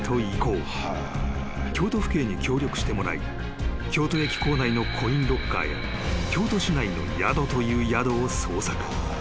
［京都府警に協力してもらい京都駅構内のコインロッカーや京都市内の宿という宿を捜索］